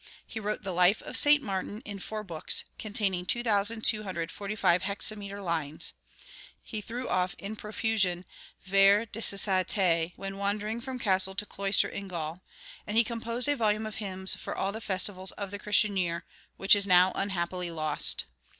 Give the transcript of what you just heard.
He wrote the life of St. Martin in four books, containing 2245 hexameter lines; he threw off in profusion vers de societé when wandering from castle to cloister in Gaul; and he composed a volume of hymns for all the festivals of the Christian year, which is now unhappily lost.